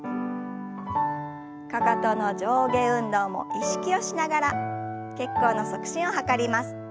かかとの上下運動も意識をしながら血行の促進を図ります。